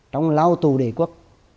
trong lao tù đề quốc